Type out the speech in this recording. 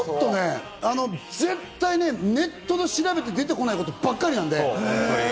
絶対に、ネットで調べて出てこないことばっかりなんだよ。